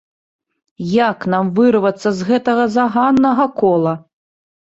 Як нам вырвацца з гэтага заганнага кола?